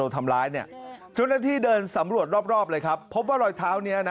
ทำร้ายเนี่ยเจ้าหน้าที่เดินสำรวจรอบรอบเลยครับพบว่ารอยเท้านี้นะ